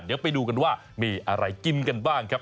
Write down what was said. เดี๋ยวไปดูกันว่ามีอะไรกินกันบ้างครับ